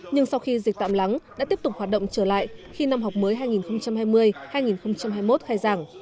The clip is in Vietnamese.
nhưng sau khi dịch tạm lắng đã tiếp tục hoạt động trở lại khi năm học mới hai nghìn hai mươi hai nghìn hai mươi một khai giảng